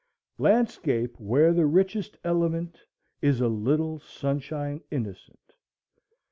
"Landscape where the richest element Is a little sunshine innocent."